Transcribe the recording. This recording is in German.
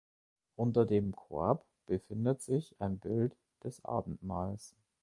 Unter dem Korb befindet sich ein Bild des Abendmahls.